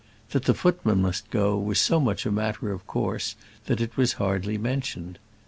That the footman must go was so much a matter of course, that it was hardly mentioned.